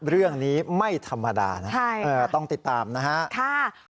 เรื่องนี้ไม่ธรรมดานะต้องติดตามนะครับ